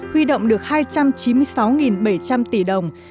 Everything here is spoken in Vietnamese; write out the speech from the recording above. huy động được hai trăm chín mươi sáu bảy trăm linh tỷ đồng